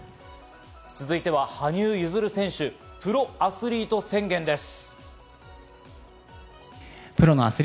続いては羽生結弦選手、プロアスリート宣言です。